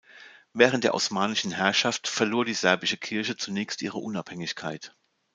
Während der osmanischen Herrschaft verlor die serbische Kirche zunächst ihre Unabhängigkeit.